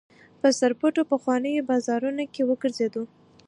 په سرپټو پخوانیو بازارونو کې وګرځېدو.